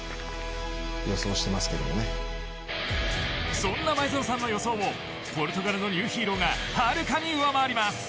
そんな前園さんの予想をポルトガルのニューヒーローがはるかに上回ります！